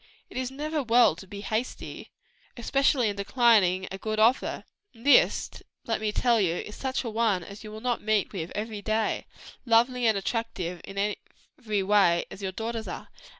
It is never well to be hasty, especially in declining a good offer, and this, let me tell you, is such an one as you will not meet with every day, lovely and attractive in every way, as your daughters are.